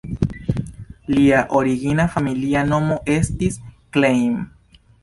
Lia origina familia nomo estis Klein.